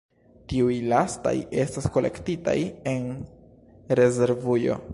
Tiuj lastaj estas kolektitaj en rezervujo.